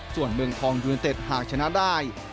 ส่วนเมืองทองยูเนเต็ดหากชนะได้